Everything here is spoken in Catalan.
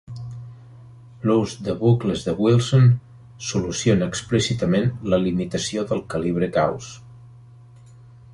L'ús de bucles de Wilson soluciona explícitament la limitació del calibre Gauss.